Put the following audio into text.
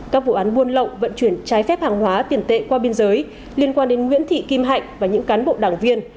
các vụ án buôn lậu vận chuyển trái phép hàng hóa tiền tệ qua biên giới liên quan đến nguyễn thị kim hạnh và những cán bộ đảng viên